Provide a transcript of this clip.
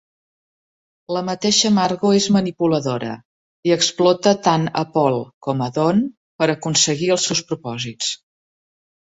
La mateixa Margo és manipuladora i explota tant a Paul com a Don per aconseguir els seus propòsits.